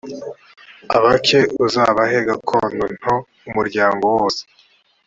abake uzabahe gakondo nto umuryango wose